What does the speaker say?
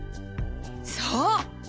そう！